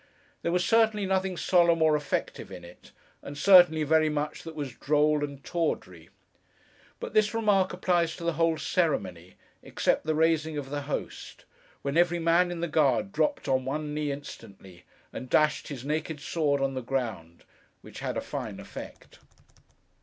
There was, certainly nothing solemn or effective in it; and certainly very much that was droll and tawdry. But this remark applies to the whole ceremony, except the raising of the Host, when every man in the guard dropped on one knee instantly, and dashed his naked sword on the ground; which had a fine effect.